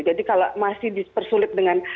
jadi kalau masih dipersulit dengan